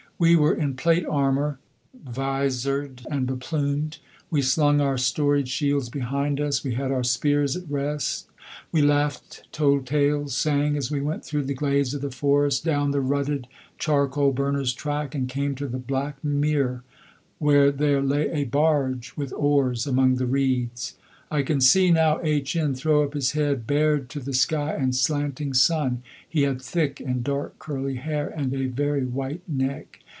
We were in plate armour, visored and beplumed. We slung our storied shields behind us; we had our spears at rest; we laughed, told tales, sang as we went through the glades of the forest, down the rutted charcoal burner's track, and came to the black mere, where there lay a barge with oars among the reeds. I can see, now, H n throw up his head, bared to the sky and slanting sun. He had thick and dark curly hair and a very white neck.